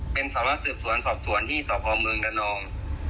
เป็นสารสืบสวนสอบสวนที่สหพมือดานอง